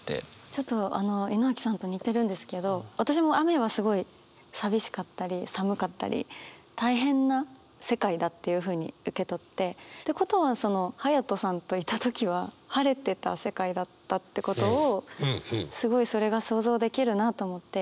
ちょっと井之脇さんと似てるんですけど私も雨はすごい寂しかったり寒かったり大変な世界だっていうふうに受け取って。ってことはそのハヤトさんといた時は晴れてた世界だったってことをすごいそれが想像できるなと思って。